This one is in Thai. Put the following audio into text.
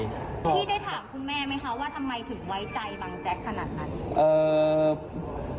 พี่ได้ถามคุณแม่ไหมคะว่าทำไมถึงไว้ใจบังแจ๊กขนาดนั้น